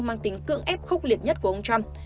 mang tính cưỡng ép khốc liệt nhất của ông trump